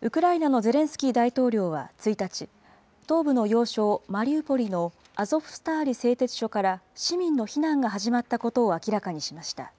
ウクライナのゼレンスキー大統領は１日、東部の要衝マリウポリのアゾフスターリ製鉄所から市民の避難が始まったことを明らかにしました。